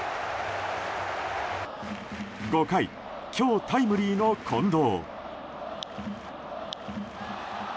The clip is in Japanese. ５回、今日タイムリーの近藤。